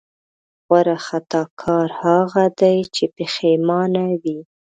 غوره خطاکار هغه دی چې پښېمانه وي.